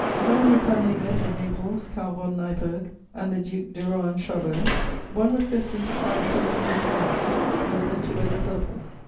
Madame Récamier met, at Naples, Count von Neipperg and the Duc de Rohan Chabot: one was destined to climb to the eagle's nest, the other to wear the purple.